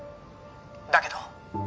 だけど